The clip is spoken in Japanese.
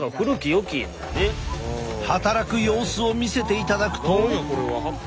働く様子を見せていただくと。